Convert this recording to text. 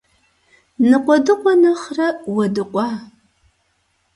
Ныкъуэдыкъуэ нэхърэ уэдыкъуа.